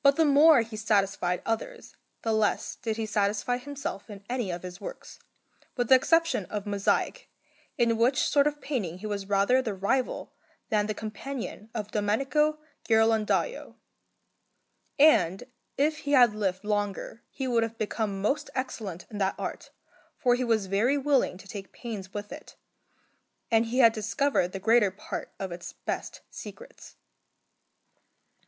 But the more he satisfied others the less did he satisfy himself in any of his works, with the exception of mosaic, in which sort of painting he was rather the rival than the companion of Domenico Ghirlandajo; and if he had lived longer he would have become most excellent in that art, for he was very willing to take pains with it, and he had discovered the greater part of its best secrets.